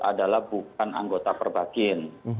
adalah bukan anggota perbakin